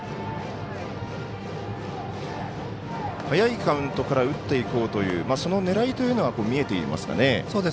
早いカウントから打っていこうというその狙いというのは見えていますがね。